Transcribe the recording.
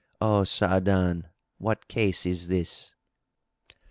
O Sa'adan, what case is this?"